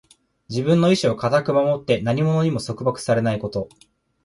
自分の意志を固く守って、何者にも束縛されないこと。